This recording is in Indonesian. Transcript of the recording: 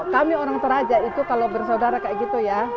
kami orang toraja itu kalau bersaudara kayak gitu ya